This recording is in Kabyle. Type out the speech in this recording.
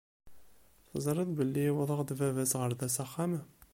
Teẓriḍ belli yiweḍ-aɣ-d baba-s ɣer da s axxam?